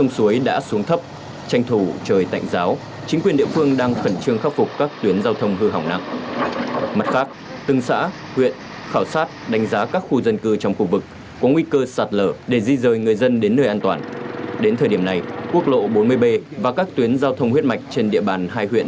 xin chào các bạn